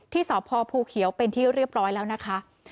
ที่สพภูเขียวเป็นที่เรียบร้อยแล้วนะคะ